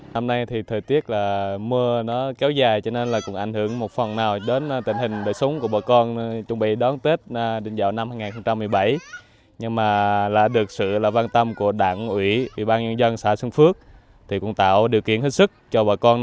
năm nay thì thời tiết là mưa nó kéo dài cho nên là cũng ảnh hưởng một phần nào đến tình hình đời sống của bà con